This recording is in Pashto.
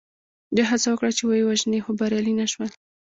دوی هڅه وکړه چې ویې وژني خو بریالي نه شول.